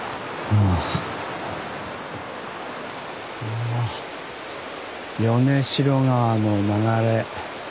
お米代川の流れ。